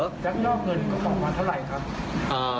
ยักษ์ยกเงินก็ต่อมาเท่าไรครับ